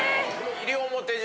・西表島？